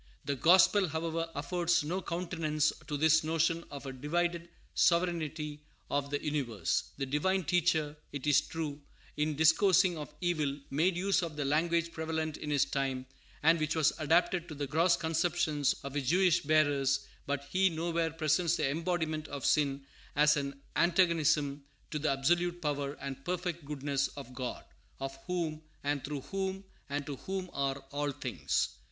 The gospel, however, affords no countenance to this notion of a divided sovereignty of the universe. The Divine Teacher, it is true, in discoursing of evil, made use of the language prevalent in His time, and which was adapted to the gross conceptions of His Jewish bearers; but He nowhere presents the embodiment of sin as an antagonism to the absolute power and perfect goodness of God, of whom, and through whom, and to whom are all things.